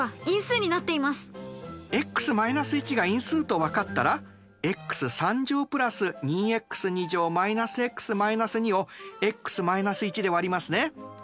ｘ−１が因数と分かったらｘ＋２ｘ−ｘ−２をｘ−１でわりますね。